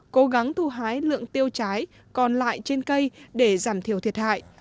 cố gắng thu hái lượng tiêu trái còn lại trên cây để giảm thiểu thiệt hại